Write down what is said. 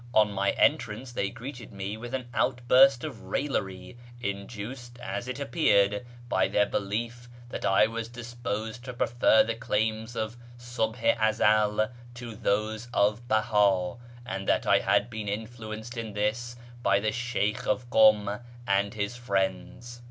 On ny entrance they greeted me with an outburst of raillery, nduced, as it appeared, by their belief that I was disposed to prefer the claims of Subh i Ezel to those of Beha, and that I ad been influenced in this by the Sheykh of Kum and his piends.